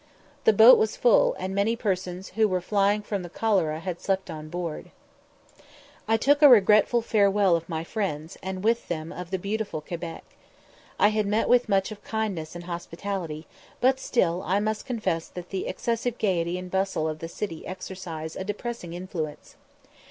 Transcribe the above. The boat was full, and many persons who were flying from the cholera had slept on board. I took a regretful farewell of my friends, and with them of beautiful Quebec. I had met with much of kindness and hospitality, but still I must confess that the excessive gaiety and bustle of the city exercise a depressing influence.